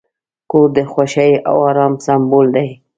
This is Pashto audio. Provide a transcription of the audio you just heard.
کور د خوښۍ او آرام سمبول دی.